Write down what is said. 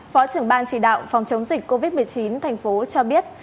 phó trưởng ban chỉ đạo phòng chống dịch covid một mươi chín thành phố cho biết